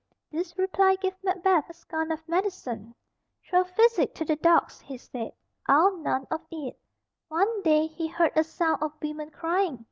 This reply gave Macbeth a scorn of medicine. "Throw physic to the dogs," he said; "I'll none of it." One day he heard a sound of women crying.